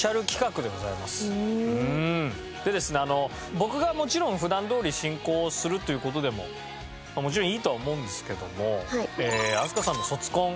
僕がもちろん普段どおり進行をするっていう事でももちろんいいとは思うんですけども飛鳥さんの卒コン